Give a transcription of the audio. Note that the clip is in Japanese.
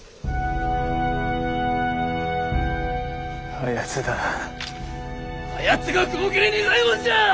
あやつだあやつが雲霧仁左衛門じゃ！